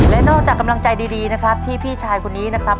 และนอกจากกำลังใจดีนะครับที่พี่ชายคนนี้นะครับ